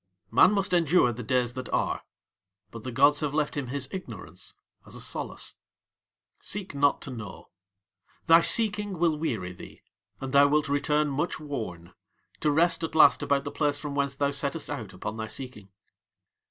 Man must endure the Days that Are, but the gods have left him his ignorance as a solace. Seek not to know. Thy seeking will weary thee, and thou wilt return much worn, to rest at last about the place from whence thou settest out upon thy seeking.